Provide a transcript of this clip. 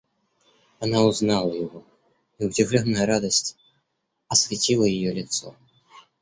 Она узнала его, и удивленная радость осветила ее лицо.